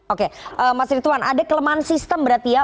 oke mas rituan ada kelemahan sistem berarti ya